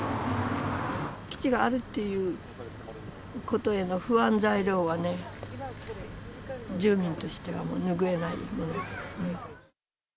基地があるっていうことへの不安材料はね、住民としてはもう拭えない。